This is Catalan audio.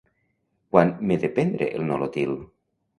Quan m'he de prendre el Nolotil?